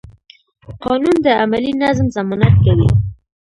قانون د عملي نظم ضمانت کوي.